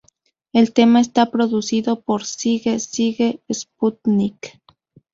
El tema está producido por Sigue Sigue Sputnik.